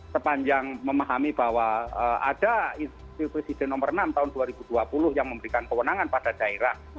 sepanjang memahami bahwa ada institusi presiden nomor enam tahun dua ribu dua puluh yang memberikan kewenangan pada daerah